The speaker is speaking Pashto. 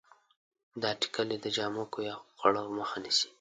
دا ټېکلې د جامو کویه خوړو مخه نیسي.